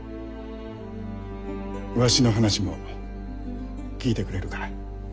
わしの話も聞いてくれるか？